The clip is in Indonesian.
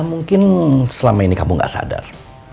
mungkin selama ini kamu gak sadar